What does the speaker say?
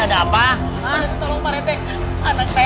aduh pak rete